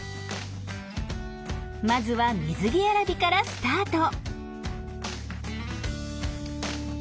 まずは水着選びからスタート。